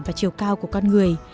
và chiều cao của con người